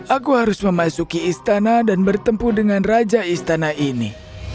aku harus memasuki istana dan bertemu dengan raja istana ini